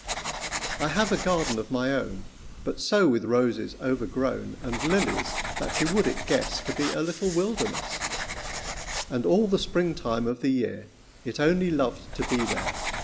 I have a garden of my own, But so with roses overgrown, And lilies, that you would it guess To be a little wilderness; And all the spring time of the year It only loved to be there.